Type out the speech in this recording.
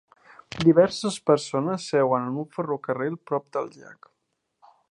Diverses persones seuen en un ferrocarril prop del llac.